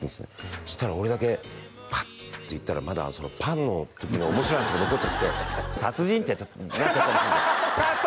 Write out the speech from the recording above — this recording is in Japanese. そしたら俺だけパッといったらまだパンの時の面白い話が残っちゃってて「殺人？」ってなっちゃったみたいで「カット！」